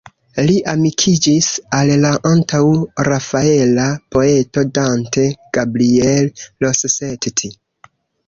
Li amikiĝis al la antaŭ-rafaela poeto Dante Gabriel Rossetti.